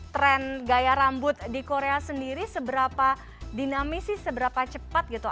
tren gaya rambut di korea sendiri seberapa dinamis sih seberapa cepat gitu